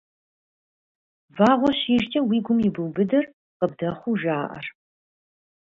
Вагъуэ щижкӏэ уи гум ибубыдэр къыбдэхъуу жаӏэр.